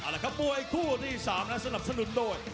เอาละครับมวยคู่ที่๓และสนับสนุนโดย